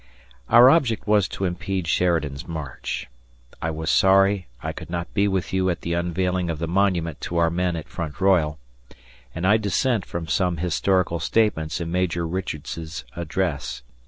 Our object was to impede Sheridan's march. I was sorry I could not be with you at the unveiling of the monument to our men at Front Royal, and I dissent from some historical statements in Major Richards's address.